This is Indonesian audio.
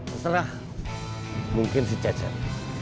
waqualah mungkin si cecer